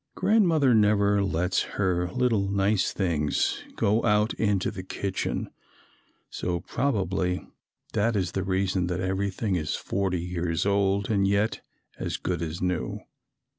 Grandmother never lets her little nice things go out into the kitchen, so probably that is the reason that everything is forty years old and yet as good as new.